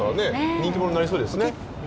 人気者になりそうですよね。